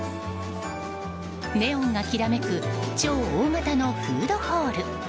ネオンがきらめく超大型のフードホール。